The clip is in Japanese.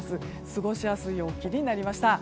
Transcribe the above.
過ごしやすい陽気になりました。